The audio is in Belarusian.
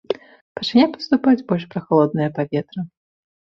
Пачне паступаць больш прахалоднае паветра.